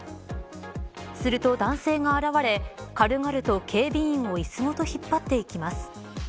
すると男性が現れ軽々と警備員をいすごと引っ張っていきます。